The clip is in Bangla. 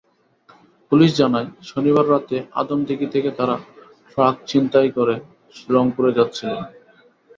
পুলিশ জানায়, শনিবার রাতে আদমদীঘি থেকে তাঁরা ট্রাক ছিনতাই করে রংপুরের যাচ্ছিলেন।